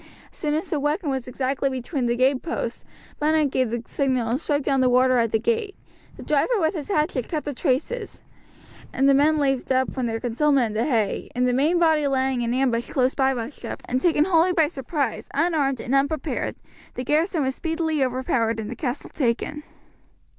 As soon as the wagon was exactly between the gate posts Bunnock gave the signal and struck down the warder at the gate; the driver with his hatchet cut the traces, the men leapt up from their concealment in the hay, and the main body lying in ambush close by rushed up, and, taken wholly by surprise, unarmed and unprepared, the garrison was speedily overpowered and the castle taken.